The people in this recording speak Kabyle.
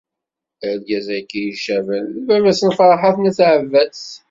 Argaz-aki icaben d baba-s n Ferḥat n At Ɛebbas.